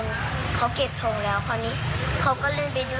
แล้วครูก็บอกว่าเก็บเร็วจะได้กลับบ้านเร็ว